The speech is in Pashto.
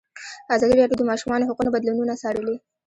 ازادي راډیو د د ماشومانو حقونه بدلونونه څارلي.